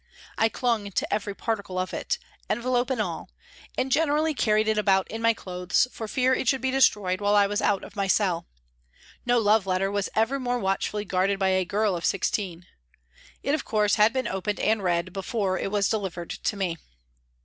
I clung to every particle of it, envelope and all, and generally carried it about in my clothes for fear it should be destroyed while I was out of my cell ; no love letter was ever more watchfully guarded by a girl of sixteen. It, of course, had been opened and read before it was delivered to me.